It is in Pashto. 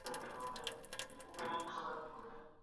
کله به خپل زړه ته په تا پيسي در ننوتم